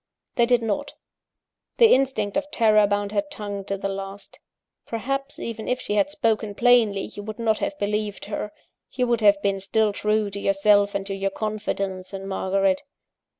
They did not; the instinct of terror bound her tongue to the last. Perhaps, even if she had spoken plainly, you would not have believed her; you would have been still true to yourself and to your confidence in Margaret.